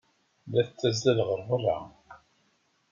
La tettazzal ɣer beṛṛa.